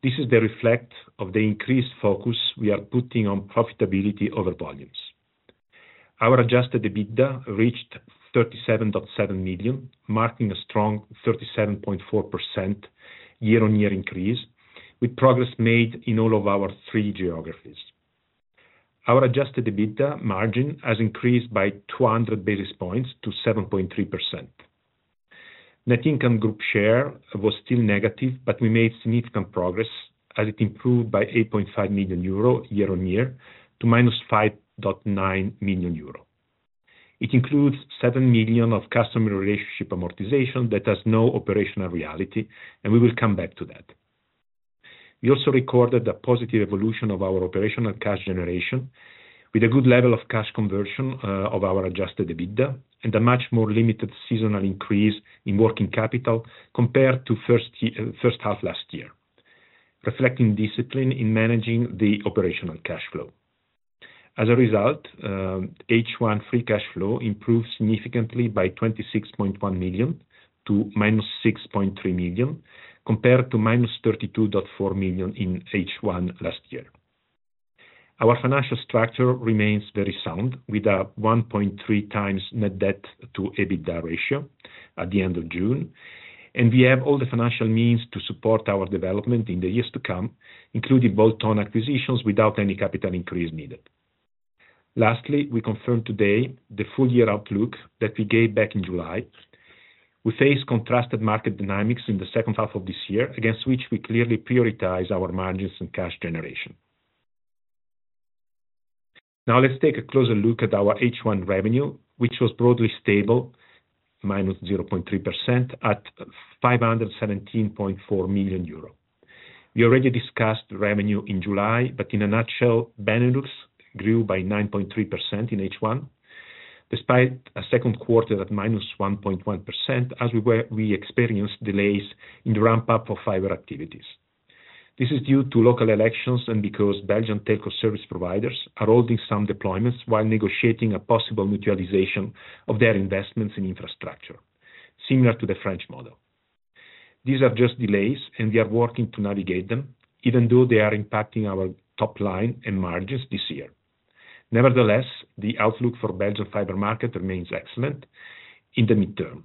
This is the result of the increased focus we are putting on profitability over volumes. Our Adjusted EBITDA reached 37.7 million EUR, marking a strong 37.4% year-on-year increase, with progress made in all of our three geographies. Our Adjusted EBITDA margin has increased by 200 basis points to 7.3%. Net income group share was still negative, but we made significant progress, as it improved by 8.5 million euro year-on-year to -5.9 million euro. It includes 7 million of customer relationship amortization that has no operational reality, and we will come back to that. We also recorded a positive evolution of our operational cash generation, with a good level of cash conversion of our adjusted EBITDA, and a much more limited seasonal increase in working capital compared to first half last year, reflecting discipline in managing the operational cash flow. As a result, H1 free cash flow improved significantly by 26.1 million to -6.3 million, compared to -32.4 million in H1 last year. Our financial structure remains very sound, with a 1.3 times net debt to EBITDA ratio at the end of June, and we have all the financial means to support our development in the years to come, including bolt-on acquisitions without any capital increase needed. Lastly, we confirm today the full year outlook that we gave back in July. We face contrasted market dynamics in the second half of this year, against which we clearly prioritize our margins and cash generation. Now let's take a closer look at our H1 revenue, which was broadly stable, -0.3% at 517.4 million euro. We already discussed revenue in July, but in a nutshell, Benelux grew by 9.3% in H1, despite a second quarter at -1.1%, as we experienced delays in the ramp-up of fiber activities. This is due to local elections and because Belgian telco service providers are holding some deployments while negotiating a possible mutualization of their investments in infrastructure, similar to the French model. These are just delays, and we are working to navigate them, even though they are impacting our top line and margins this year. Nevertheless, the outlook for Belgian fiber market remains excellent in the midterm.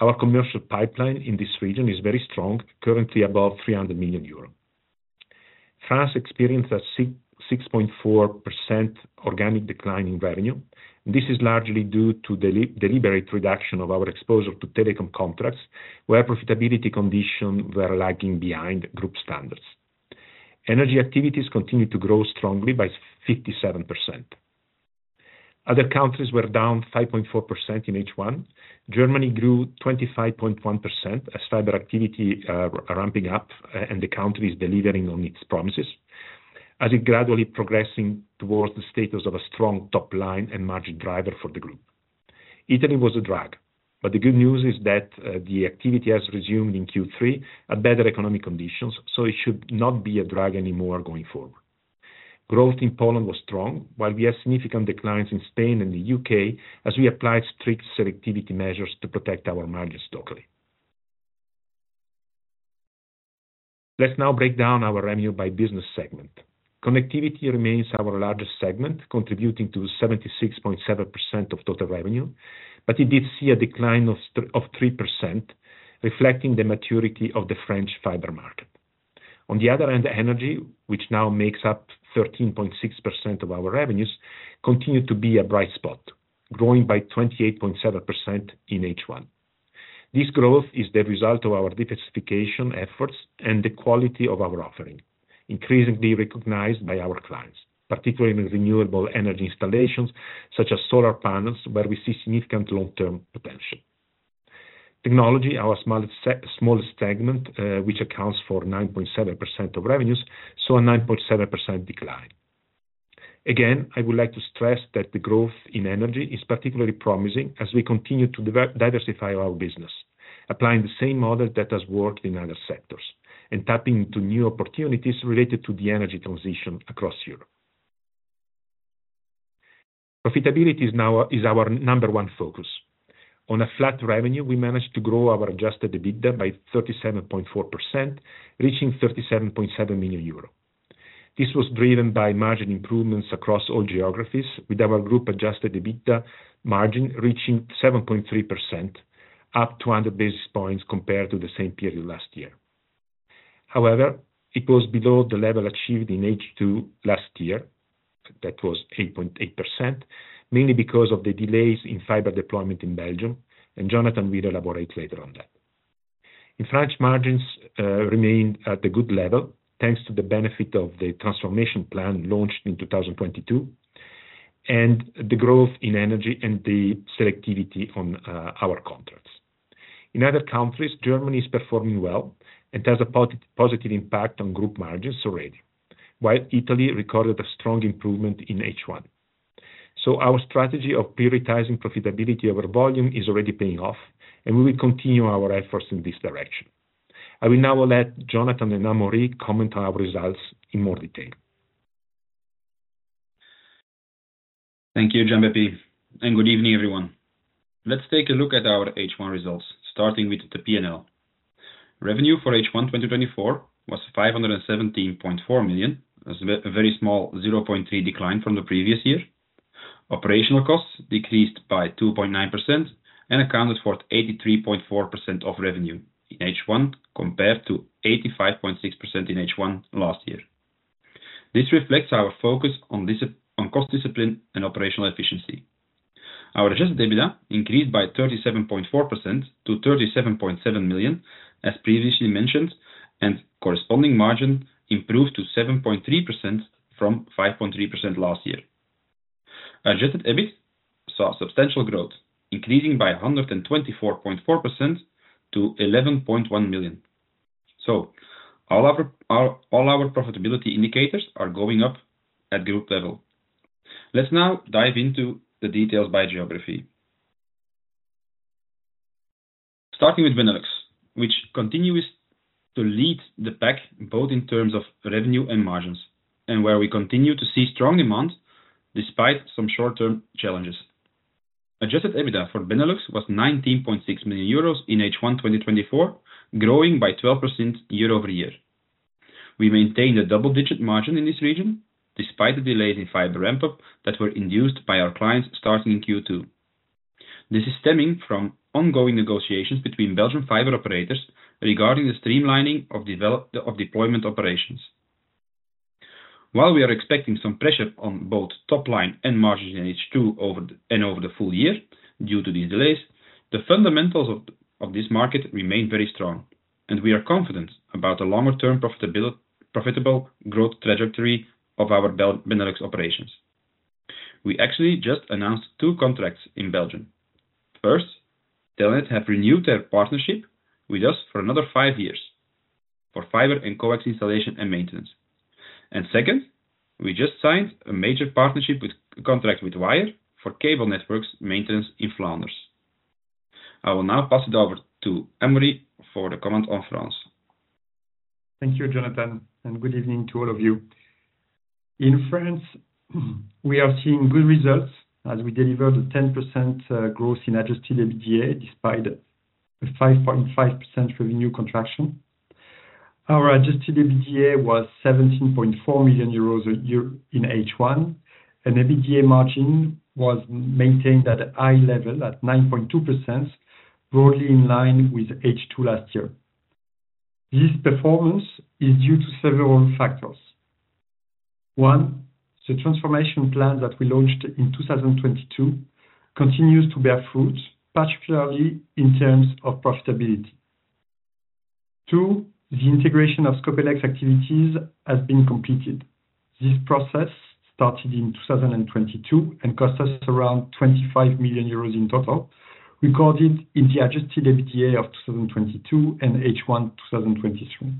Our commercial pipeline in this region is very strong, currently above 300 million euro. France experienced a six point four percent organic decline in revenue. This is largely due to the deliberate reduction of our exposure to telecom contracts, where profitability conditions were lagging behind group standards. Energy activities continued to grow strongly by 57%. Other countries were down 5.4% in H1. Germany grew 25.1% as fiber activity are ramping up, and the country is delivering on its promises, as it gradually progressing towards the status of a strong top line and margin driver for the group. Italy was a drag, but the good news is that the activity has resumed in Q3 at better economic conditions, so it should not be a drag anymore going forward. Growth in Poland was strong, while we have significant declines in Spain and the UK, as we applied strict selectivity measures to protect our margins locally. Let's now break down our revenue by business segment. Connectivity remains our largest segment, contributing to 76.7% of total revenue, but it did see a decline of 3%, reflecting the maturity of the French fiber market. On the other hand, energy, which now makes up 13.6% of our revenues, continued to be a bright spot, growing by 28.7% in H1. This growth is the result of our diversification efforts and the quality of our offering, increasingly recognized by our clients, particularly in renewable energy installations such as solar panels, where we see significant long-term potential. Technology, our smallest segment, which accounts for 9.7% of revenues, saw a 9.7% decline. Again, I would like to stress that the growth in energy is particularly promising as we continue to diversify our business, applying the same model that has worked in other sectors, and tapping into new opportunities related to the energy transition across Europe. Profitability is now our number one focus. On a flat revenue, we managed to grow our adjusted EBITDA by 37.4%, reaching 37.7 million euro. This was driven by margin improvements across all geographies, with our group Adjusted EBITDA margin reaching 7.3%, up 200 basis points compared to the same period last year. However, it was below the level achieved in H2 last year. That was 8.8%, mainly because of the delays in fiber deployment in Belgium, and Jonathan will elaborate later on that. In France, margins remained at a good level, thanks to the benefit of the transformation plan launched in 2022, and the growth in energy and the selectivity on our contracts. In other countries, Germany is performing well and has a positive impact on group margins already, while Italy recorded a strong improvement in H1. Our strategy of prioritizing profitability over volume is already paying off, and we will continue our efforts in this direction. I will now let Jonathan and Amaury comment on our results in more detail. Thank you, Giambeppe, and good evening, everyone. Let's take a look at our H1 results, starting with the P&L. Revenue for H1 2024 was 517.4 million. That's a very small 0.3% decline from the previous year. Operational costs decreased by 2.9% and accounted for 83.4% of revenue in H1, compared to 85.6% in H1 last year. This reflects our focus on cost discipline and operational efficiency. Our adjusted EBITDA increased by 37.4% to 37.7 million, as previously mentioned, and corresponding margin improved to 7.3% from 5.3% last year. Adjusted EBIT saw substantial growth, increasing by 124.4% to EUR 11.1 million. All our profitability indicators are going up at group level. Let's now dive into the details by geography. Starting with Benelux, which continues to lead the pack, both in terms of revenue and margins, and where we continue to see strong demand despite some short-term challenges. Adjusted EBITDA for Benelux was 19.6 million euros in H1 2024, growing by 12% year over year. We maintained a double-digit margin in this region, despite the delays in fiber ramp-up that were induced by our clients starting in Q2. This is stemming from ongoing negotiations between Belgian fiber operators regarding the streamlining of deployment operations. While we are expecting some pressure on both top line and margins in H2 and over the full year, due to these delays, the fundamentals of this market remain very strong, and we are confident about the longer-term profitable growth trajectory of our Benelux operations. We actually just announced two contracts in Belgium. First, Telenet have renewed their partnership with us for another five years for fiber and coax installation and maintenance. And second, we just signed a major contract with Wyre for cable networks maintenance in Flanders. I will now pass it over to Henri for the comment on France. Thank you, Jonathan, and good evening to all of you. In France, we are seeing good results as we delivered a 10%, growth in Adjusted EBITDA, despite a 5.5% revenue contraction. Our Adjusted EBITDA was 17.4 million euros a year in H1, and EBITDA margin was maintained at a high level, at 9.2%, broadly in line with H2 last year. This performance is due to several factors. One, the transformation plan that we launched in 2022 continues to bear fruit, particularly in terms of profitability. Two, the integration of Scopelec's activities has been completed. This process started in 2022 and cost us around 25 million euros in total, recorded in the Adjusted EBITDA of 2022 and H1, 2023.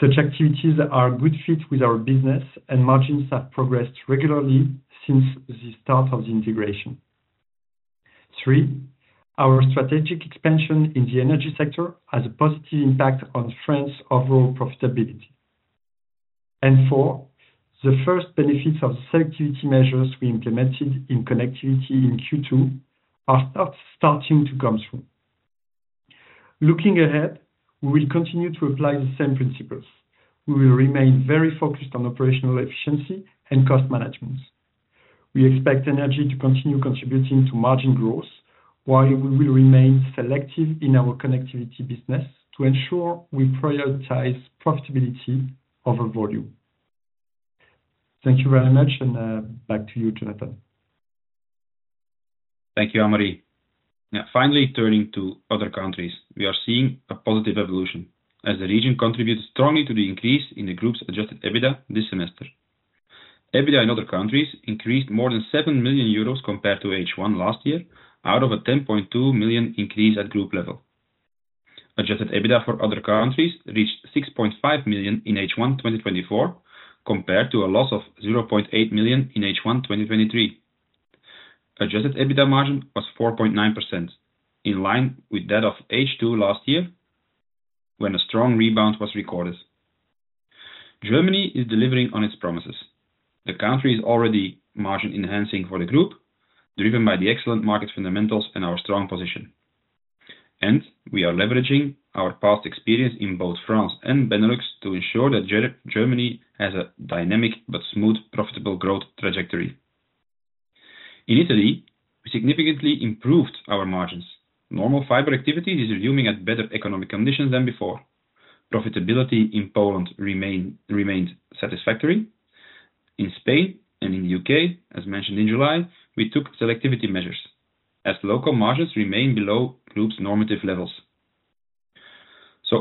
Such activities are a good fit with our business, and margins have progressed regularly since the start of the integration. Three, our strategic expansion in the energy sector has a positive impact on France's overall profitability. And four, the first benefits of selectivity measures we implemented in connectivity in Q2 are starting to come through. Looking ahead, we will continue to apply the same principles. We will remain very focused on operational efficiency and cost management. We expect energy to continue contributing to margin growth, while we will remain selective in our connectivity business to ensure we prioritize profitability over volume. Thank you very much, and back to you, Jonathan. Thank you, Henri. Now, finally, turning to other countries. We are seeing a positive evolution as the region contributes strongly to the increase in the group's adjusted EBITDA this semester. EBITDA in other countries increased more than 7 million euros compared to H1 last year, out of a 10.2 million EUR increase at group level. Adjusted EBITDA for other countries reached 6.5 million EUR in H1 2024, compared to a loss of 0.8 million EUR in H1 2023. Adjusted EBITDA margin was 4.9%, in line with that of H2 last year, when a strong rebound was recorded. Germany is delivering on its promises. The country is already margin-enhancing for the group, driven by the excellent market fundamentals and our strong position. We are leveraging our past experience in both France and Benelux to ensure that Germany has a dynamic but smooth, profitable growth trajectory. In Italy, we significantly improved our margins. Normal fiber activity is resuming at better economic conditions than before. Profitability in Poland remained satisfactory. In Spain and in the U.K., as mentioned in July, we took selectivity measures, as local margins remain below group's normative levels.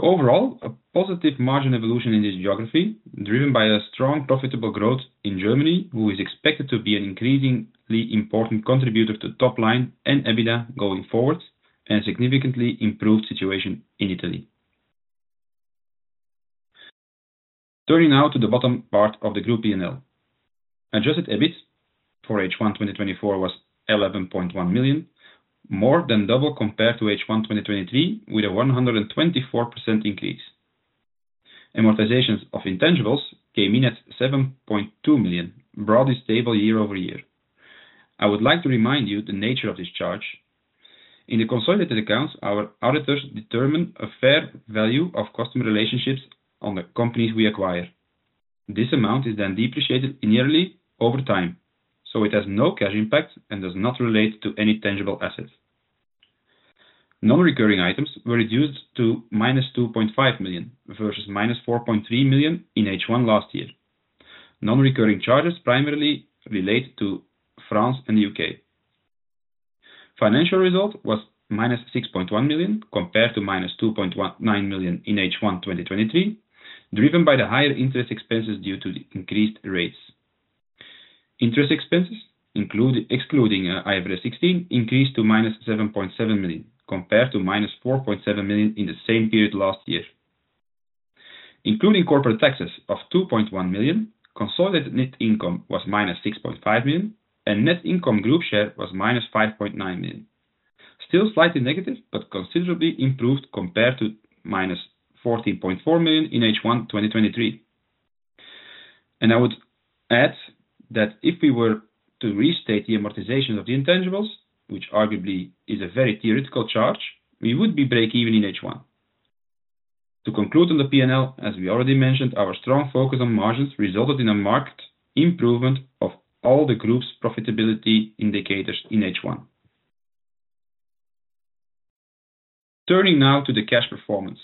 Overall, a positive margin evolution in this geography, driven by a strong, profitable growth in Germany, who is expected to be an increasingly important contributor to top line and EBITDA going forward, and a significantly improved situation in Italy. Turning now to the bottom part of the group P&L. Adjusted EBIT for H1 2024 was 11.1 million, more than double compared to H1 2023, with a 124% increase. Amortizations of intangibles came in at 7.2 million, broadly stable year over year. I would like to remind you the nature of this charge. In the consolidated accounts, our auditors determine a fair value of customer relationships on the companies we acquire. This amount is then depreciated yearly over time, so it has no cash impact and does not relate to any tangible assets. Non-recurring items were reduced to minus 2.5 million, versus minus 4.3 million in H1 last year. Non-recurring charges primarily relate to France and U.K. Financial result was minus 6.1 million, compared to minus 2.19 million in H1 2023, driven by the higher interest expenses due to the increased rates. Interest expenses include, excluding IFRS 16, increased to -7.7 million, compared to -4.7 million in the same period last year. Including corporate taxes of 2.1 million, consolidated net income was -6.5 million, and net income group share was -5.9 million. Still slightly negative, but considerably improved compared to -14.4 million in H1 2023. And I would add that if we were to restate the amortization of the intangibles, which arguably is a very theoretical charge, we would be break even in H1. To conclude on the P&L, as we already mentioned, our strong focus on margins resulted in a marked improvement of all the group's profitability indicators in H1. Turning now to the cash performance.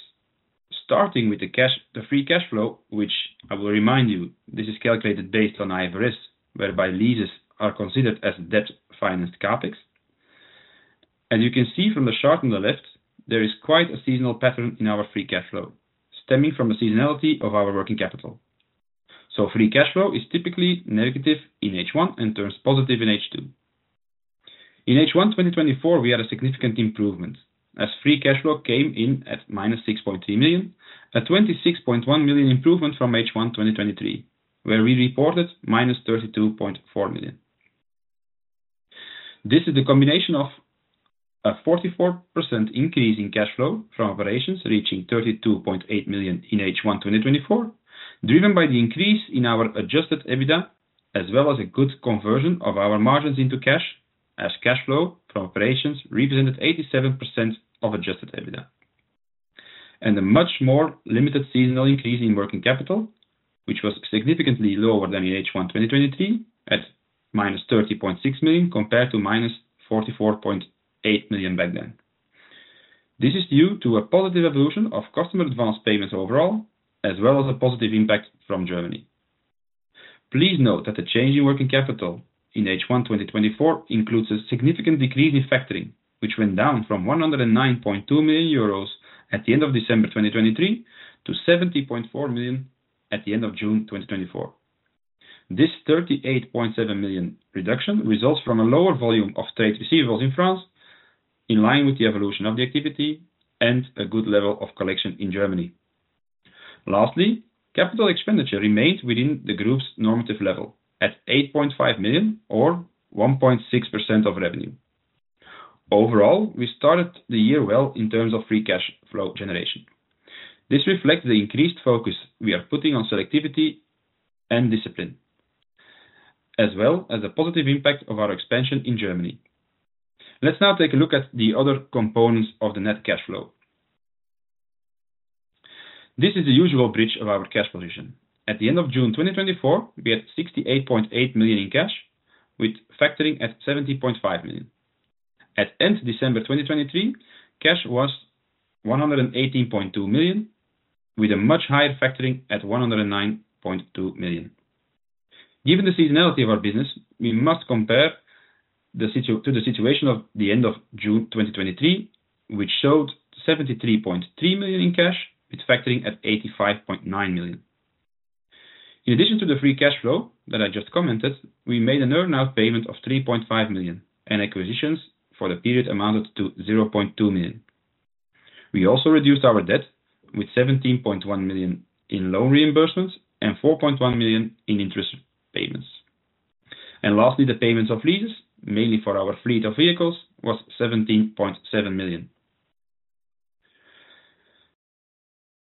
Starting with the cash, the free cash flow, which I will remind you, this is calculated based on IFRS, whereby leases are considered as debt-financed CapEx. As you can see from the chart on the left, there is quite a seasonal pattern in our free cash flow, stemming from the seasonality of our working capital. So free cash flow is typically negative in H1 and turns positive in H2. In H1, twenty twenty-four, we had a significant improvement, as free cash flow came in at -6.3 million, a 26.1 million improvement from H1, twenty twenty-three, where we reported -32.4 million. This is a combination of a 44% increase in cash flow from operations, reaching 32.8 million in H1, twenty twenty-four. Driven by the increase in our Adjusted EBITDA, as well as a good conversion of our margins into cash, as cash flow from operations represented 87% of Adjusted EBITDA, and a much more limited seasonal increase in working capital, which was significantly lower than in H1 2023, at -30.6 million, compared to -44.8 million back then. This is due to a positive evolution of customer advanced payments overall, as well as a positive impact from Germany. Please note that the change in working capital in H1 2024 includes a significant decrease in factoring, which went down from 109.2 million euros at the end of December 2023, to 70.4 million EUR at the end of June 2024. This 38.7 million reduction results from a lower volume of trade receivables in France, in line with the evolution of the activity and a good level of collection in Germany. Lastly, capital expenditure remained within the group's normative level at 8.5 million or 1.6% of revenue. Overall, we started the year well in terms of free cash flow generation. This reflects the increased focus we are putting on selectivity and discipline, as well as the positive impact of our expansion in Germany. Let's now take a look at the other components of the net cash flow. This is the usual bridge of our cash position. At the end of June 2024, we had 68.8 million in cash, with factoring at 70.5 million. At the end of December 2023, cash was 118.2 million, with a much higher factoring at 109.2 million. Given the seasonality of our business, we must compare to the situation at the end of June 2023, which showed 73.3 million in cash, with factoring at 85.9 million. In addition to the free cash flow that I just commented, we made an earn-out payment of 3.5 million, and acquisitions for the period amounted to 0.2 million. We also reduced our debt with 17.1 million in loan reimbursements and 4.1 million in interest payments. Lastly, the payments of leases, mainly for our fleet of vehicles, was 17.7 million.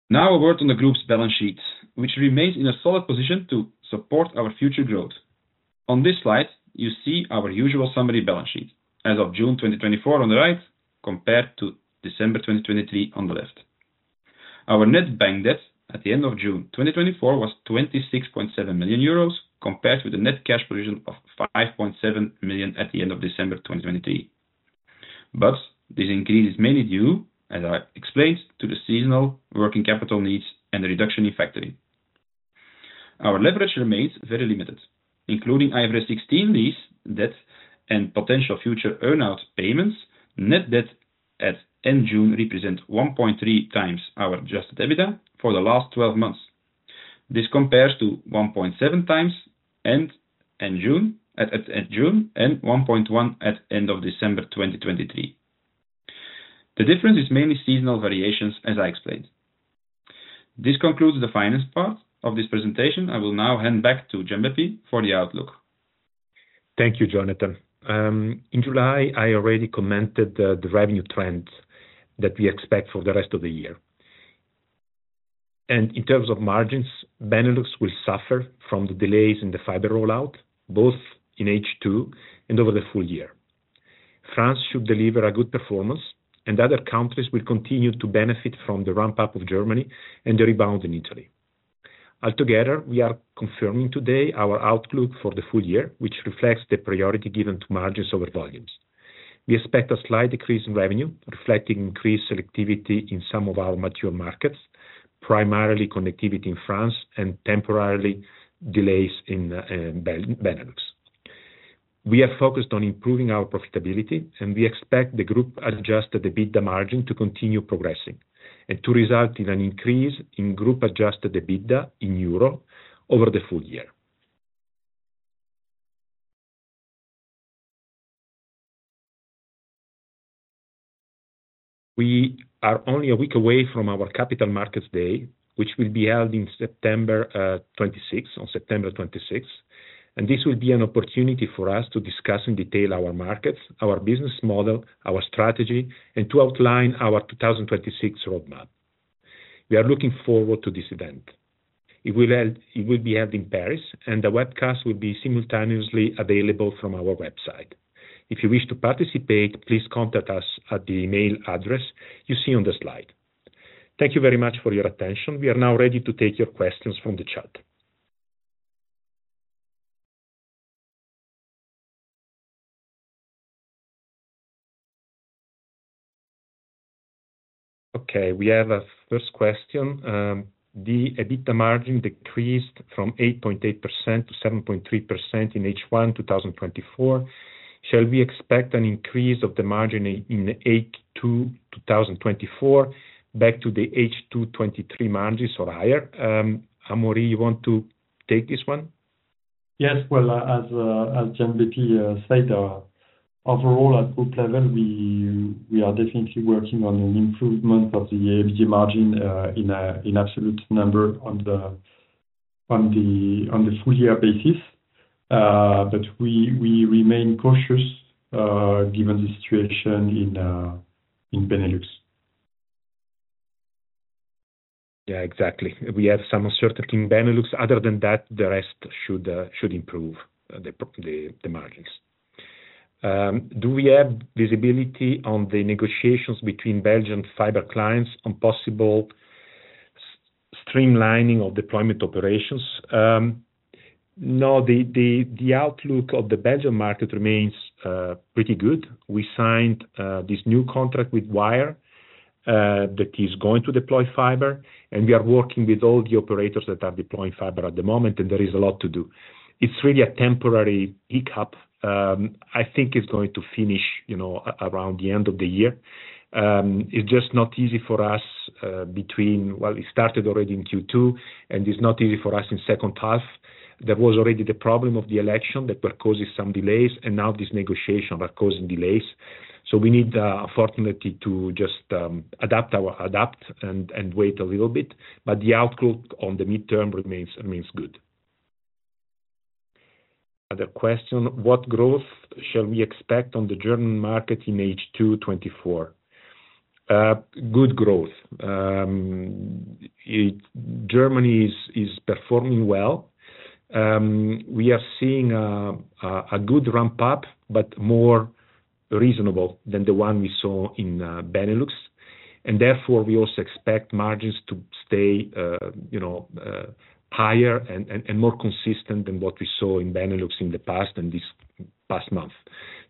Now a word on the group's balance sheet, which remains in a solid position to support our future growth. On this slide, you see our usual summary balance sheet as of June 2024 on the right, compared to December 2023 on the left. Our net bank debt at the end of June 2024 was 26.7 million euros, compared with a net cash position of 5.7 million EUR at the end of December 2023. But this increase is mainly due, as I explained, to the seasonal working capital needs and the reduction in factoring. Our leverage remains very limited, including IFRS 16 lease debt, and potential future earn-out payments. Net debt at end June represent 1.3 times our adjusted EBITDA for the last 12 months. This compares to 1.7 times at end June, and 1.1 at end of December 2023. The difference is mainly seasonal variations, as I explained. This concludes the finance part of this presentation. I will now hand back to Jean-Baptiste for the outlook. Thank you, Jonathan. In July, I already commented the revenue trends that we expect for the rest of the year. And in terms of margins, Benelux will suffer from the delays in the fiber rollout, both in H2 and over the full year. France should deliver a good performance, and other countries will continue to benefit from the ramp-up of Germany and the rebound in Italy. Altogether, we are confirming today our outlook for the full year, which reflects the priority given to margins over volumes. We expect a slight decrease in revenue, reflecting increased selectivity in some of our mature markets, primarily connectivity in France and temporary delays in Benelux. We are focused on improving our profitability, and we expect the group Adjusted EBITDA margin to continue progressing, and to result in an increase in group Adjusted EBITDA in euro over the full year. We are only a week away from our Capital Markets Day, which will be held in September, twenty-sixth, on September twenty-sixth, and this will be an opportunity for us to discuss in detail our markets, our business model, our strategy, and to outline our two thousand and twenty-six roadmap. We are looking forward to this event. It will be held in Paris, and the webcast will be simultaneously available from our website. If you wish to participate, please contact us at the email address you see on the slide. Thank you very much for your attention. We are now ready to take your questions from the chat. Okay, we have a first question. The EBITDA margin decreased from 8.8% to 7.3% in H1, 2024. Shall we expect an increase of the margin in H2, 2024, back to the H2 2023 margins or higher? Amaury, you want to take this one? Yes, well, as Gianbeppi said, overall, at group level, we are definitely working on an improvement of the EBITDA margin, in absolute number on the full year basis. But we remain cautious, given the situation in Benelux. Yeah, exactly. We have some uncertainty in Benelux. Other than that, the rest should improve the margins. Do we have visibility on the negotiations between Belgium fiber clients on possible streamlining of deployment operations? No, the outlook of the Belgium market remains pretty good. We signed this new contract with Wyre that is going to deploy fiber, and we are working with all the operators that are deploying fiber at the moment, and there is a lot to do. It's really a temporary hiccup. I think it's going to finish, you know, around the end of the year. It's just not easy for us. Well, it started already in Q2, and it's not easy for us in second half. There was already the problem of the elections that were causing some delays, and now these negotiations are causing delays, so we need, unfortunately, to just adapt and wait a little bit, but the outlook on the midterm remains good. Other question: What growth shall we expect on the German market in H2 2024? Good growth. Germany is performing well. We are seeing a good ramp-up, but more reasonable than the one we saw in Benelux, and therefore, we also expect margins to stay, you know, higher and more consistent than what we saw in Benelux in the past, and this past month.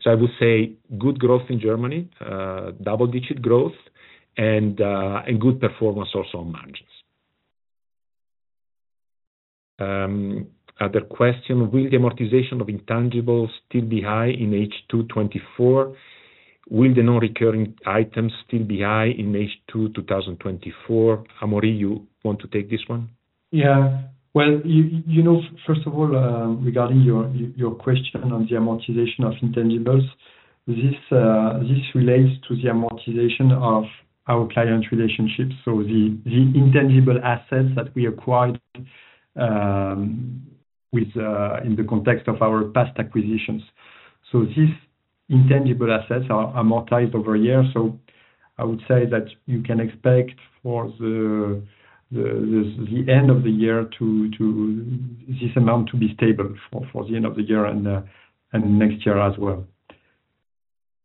So I would say good growth in Germany, double-digit growth and good performance also on margins. Other question: Will the amortization of intangibles still be high in H2 2024? Will the non-recurring items still be high in H2 2024? Amaury, you want to take this one? Yeah. Well, you know, first of all, regarding your question on the amortization of intangibles, this relates to the amortization of our client relationships, so the intangible assets that we acquired within the context of our past acquisitions. So these intangible assets are amortized over a year, so I would say that you can expect for the end of the year to this amount to be stable for the end of the year and next year as well.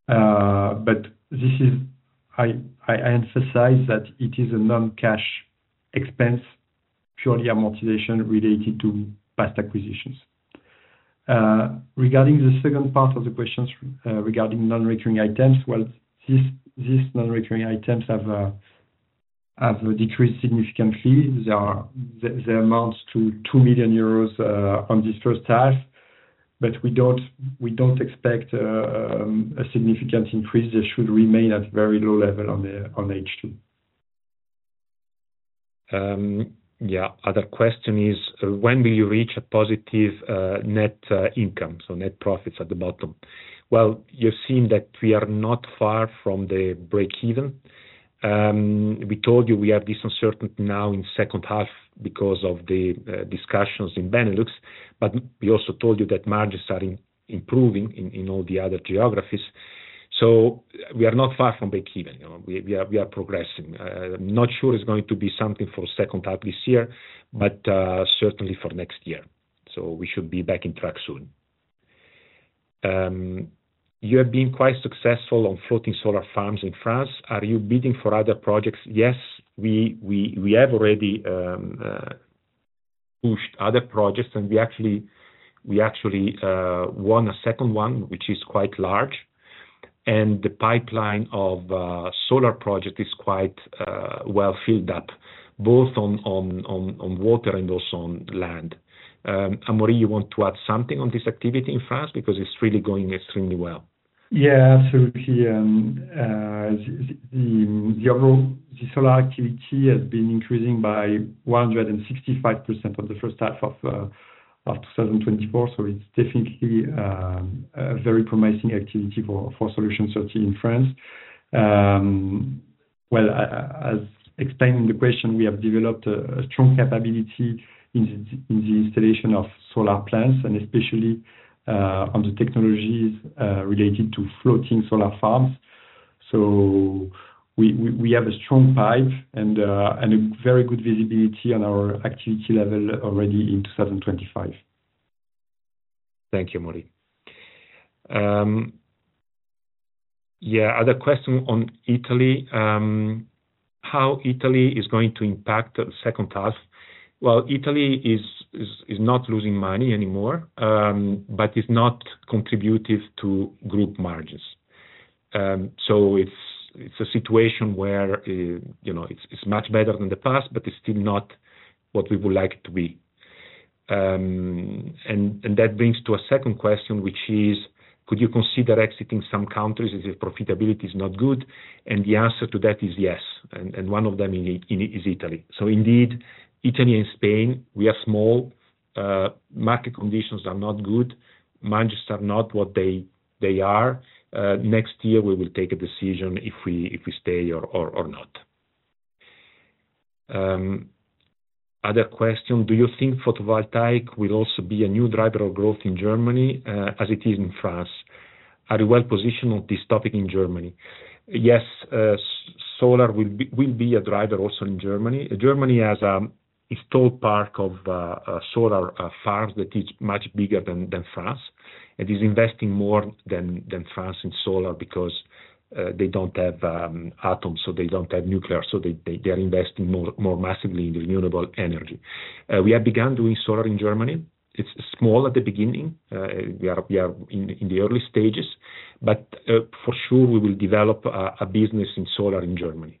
But this is. I emphasize that it is a non-cash expense, purely amortization related to past acquisitions. Regarding the second part of the questions, regarding non-recurring items, well, these non-recurring items have decreased significantly. They amount to 2 million euros on this first half, but we don't expect a significant increase. They should remain at very low level on H2. Yeah. Other question is: When will you reach a positive net income, so net profits at the bottom? Well, you've seen that we are not far from the breakeven. We told you we have this uncertainty now in second half because of the discussions in Benelux, but we also told you that margins are improving in all the other geographies. So we are not far from breakeven, you know, we are progressing. I'm not sure it's going to be something for second half this year, but certainly for next year. So we should be back on track soon. You have been quite successful on floating solar farms in France. Are you bidding for other projects? Yes, we have already pushed other projects, and we actually won a second one, which is quite large. And the pipeline of solar project is quite well filled up, both on water and also on land. Amaury, you want to add something on this activity in France? Because it's really going extremely well. Yeah, absolutely. The overall solar activity has been increasing by 165% in the first half of 2024, so it's definitely a very promising activity for Solutions 30 in France. As explained in the question, we have developed a strong capability in the installation of solar plants and especially on the technologies related to floating solar farms, so we have a strong pipe and a very good visibility on our activity level already in 2025. Thank you, Amaury. Yeah, other question on Italy. How Italy is going to impact the second half? Well, Italy is not losing money anymore, but is not contributive to group margins. So it's a situation where, you know, it's much better than the past, but it's still not what we would like it to be. And that brings to a second question, which is: Could you consider exiting some countries if the profitability is not good? And the answer to that is yes, and one of them is Italy. So indeed, Italy and Spain, we are small. Market conditions are not good. Margins are not what they are. Next year we will take a decision if we stay or not. Other question: Do you think photovoltaic will also be a new driver of growth in Germany, as it is in France? Are you well positioned on this topic in Germany? Yes, solar will be a driver also in Germany. Germany has installed park of solar farms that is much bigger than France, and is investing more than France in solar because they don't have atoms, so they don't have nuclear, so they're investing more massively in renewable energy. We have begun doing solar in Germany. It's small at the beginning. We are in the early stages, but for sure, we will develop a business in solar in Germany.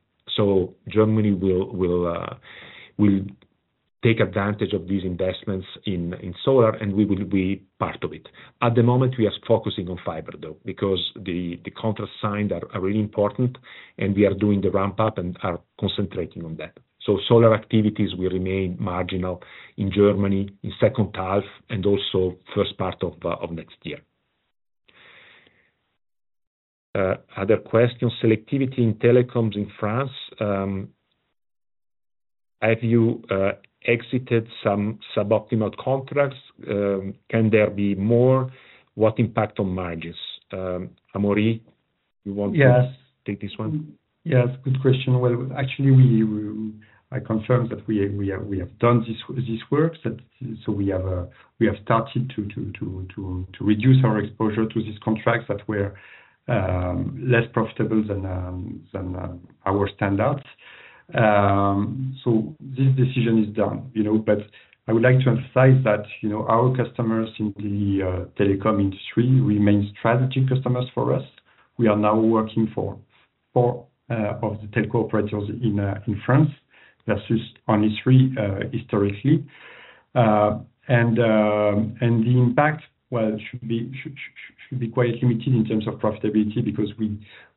Germany will take advantage of these investments in solar, and we will be part of it. At the moment, we are focusing on fiber, though, because the contracts signed are really important, and we are doing the ramp-up and are concentrating on that. Solar activities will remain marginal in Germany in second half and also first part of next year. Other question, selectivity in telecoms in France, have you exited some suboptimal contracts? Can there be more? What impact on margins? Amaury, you want to- Yes. Take this one? Yes, good question, well, actually, I confirm that we have done this work, so we have started to reduce our exposure to these contracts that were less profitable than our standards, so this decision is done, you know, but I would like to emphasize that, you know, our customers in the telecom industry remain strategic customers for us. We are now working for four of the telco operators in France, versus only three historically, and the impact, well, it should be quite limited in terms of profitability, because we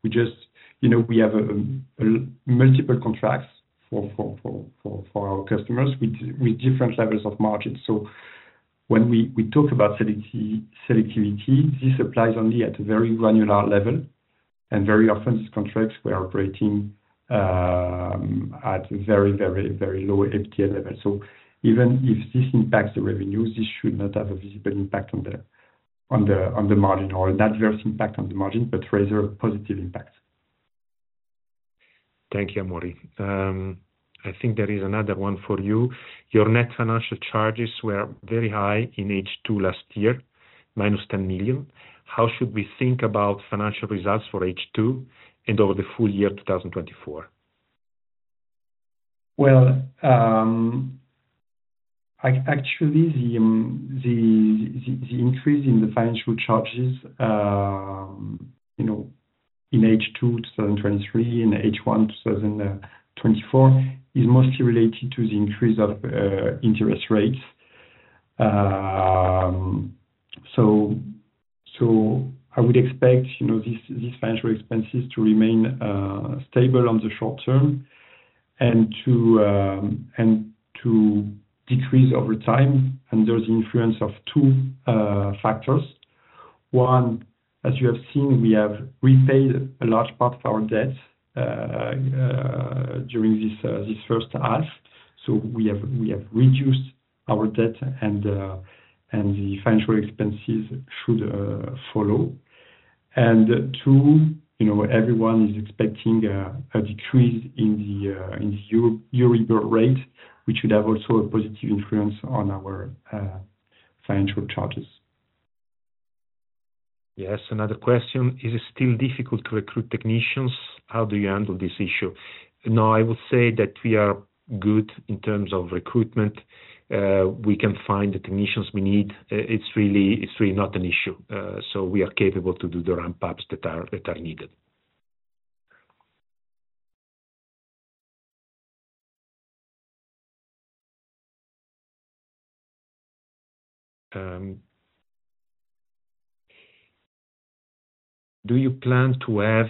just-- You know, we have multiple contracts for our customers with different levels of margins. So when we talk about selectivity, this applies only at a very granular level, and very often, these contracts we are operating at very low FTA level. So even if this impacts the revenues, this should not have a visible impact on the margin or adverse impact on the margin, but rather a positive impact. Thank you, Amaury. I think there is another one for you. Your net financial charges were very high in H2 last year, -10 million. How should we think about financial results for H2 and over the full year two thousand and twenty-four? Actually, the increase in the financial charges, you know, in H2 two thousand and twenty-three, and H1 two thousand and twenty-four, is mostly related to the increase of interest rates. So I would expect, you know, these financial expenses to remain stable on the short term and to decrease over time under the influence of two factors. One, as you have seen, we have repaid a large part of our debt during this first half. So we have reduced our debt, and the financial expenses should follow. Two, you know, everyone is expecting a decrease in the Euribor rate, which should have also a positive influence on our financial charges. Yes, another question: Is it still difficult to recruit technicians? How do you handle this issue? No, I would say that we are good in terms of recruitment. We can find the technicians we need. It's really not an issue. So we are capable to do the ramp-ups that are needed. Do you plan to have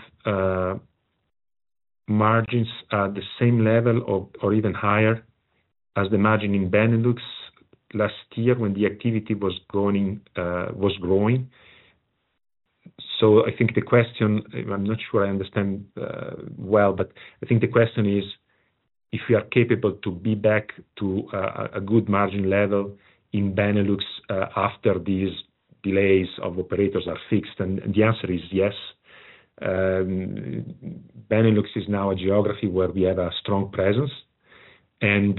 margins at the same level or even higher as the margin in Benelux last year when the activity was growing? So I think the question. I'm not sure I understand, well, but I think the question is, if we are capable to be back to a good margin level in Benelux after these delays of operators are fixed, and the answer is yes. Benelux is now a geography where we have a strong presence, and,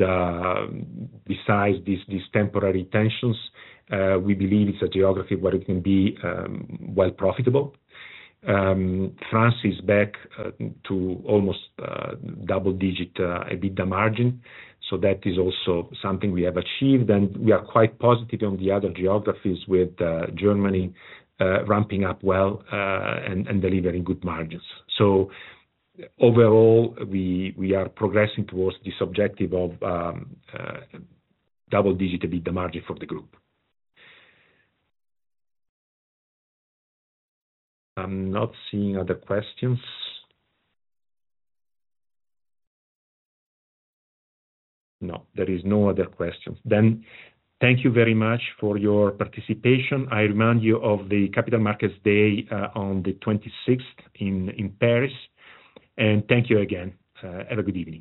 besides these temporary tensions, we believe it's a geography where it can be, well profitable. France is back, to almost, double digit, EBITDA margin, so that is also something we have achieved. And we are quite positive on the other geographies with, Germany, ramping up well, and delivering good margins. So overall, we are progressing towards this objective of, double digit EBITDA margin for the group. I'm not seeing other questions. No, there is no other questions. Then thank you very much for your participation. I remind you of the Capital Markets Day, on the twenty-sixth in, Paris, and thank you again. Have a good evening.